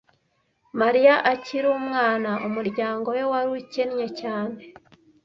Mariya akiri umwana, umuryango we wari ukennye cyane.